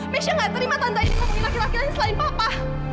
mesya gak terima tante aini ngomongin laki laki lain selain papa